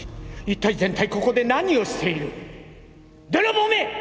一体全体ここで何をしている泥棒め！